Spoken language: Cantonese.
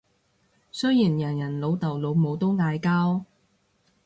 雖然人人老豆老母都嗌交